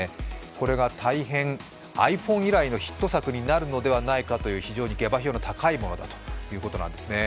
これが大変ｉＰｈｏｎｅ以来のヒット作になるのではないかと非常に下馬評の高いものだということなんですね。